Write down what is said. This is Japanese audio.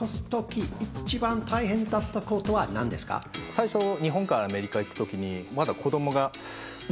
最初日本からアメリカ行く時にまだ。